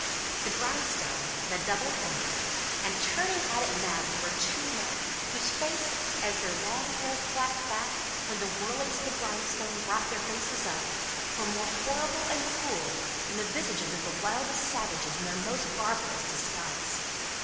The grindstone had a double handle, and, turning at it madly were two men, whose faces, as their long hair flapped back when the whirlings of the grindstone brought their faces up, were more horrible and cruel than the visages of the wildest savages in their most barbarous disguise.